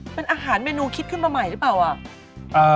เป็นอาหารเมนูคิดขึ้นมาใหม่หรือเปล่าอ่ะ